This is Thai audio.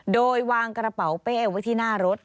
โดยวางกระเป๋าเป้ไว้ที่หน้ารถ